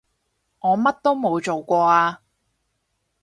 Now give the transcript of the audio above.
我乜都冇做過啊